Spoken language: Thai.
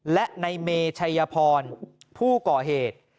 และในเมชัยพรผู้ก่อเหตุ